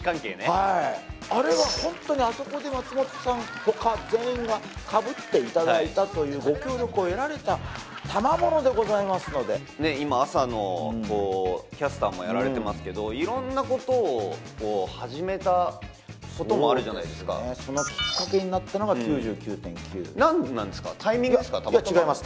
はいあれはホントにあそこで松本さん他全員がかぶっていただいたというご協力を得られたたまものでございますので今朝のキャスターもやられてますけど色んなことを始めたこともあるじゃないですかそのきっかけになったのが「９９．９」何でなんですかタイミングですか違います